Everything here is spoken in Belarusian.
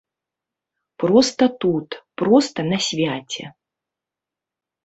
Проста тут, проста на свяце.